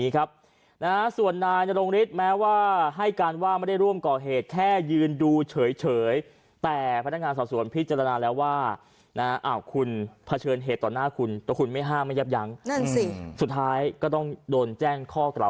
ก่อนนำตัวไปฝากทางที่สารง